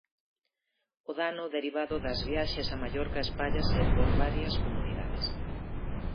O dano derivado das viaxes a Mallorca espállase por varias comunidades.